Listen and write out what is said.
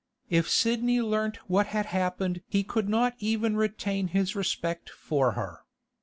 If Sidney learnt what had happened he could not even retain his respect for her.